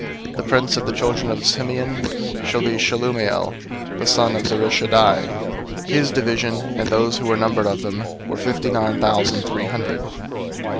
The prince of the children of Simeon shall be Shelumiel the son of Zurishaddai. 002:013 His division, and those who were numbered of them, were fifty nine thousand three hundred.